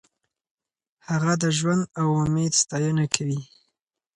هغه د ژوند او امید ستاینه کوي.